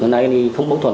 hôm nay không mâu thuẫn